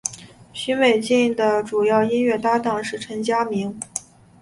许美静的主要音乐搭档是陈佳明。